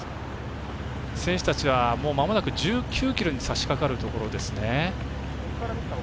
選手たちは、まもなく１９ｋｍにさしかかるところです。